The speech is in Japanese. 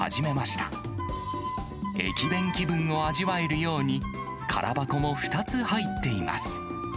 気分を味わえるように、空箱も２つ入っています。